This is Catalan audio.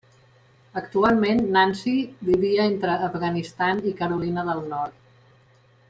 Actualment, Nancy vivia entre Afganistan i Carolina del Nord.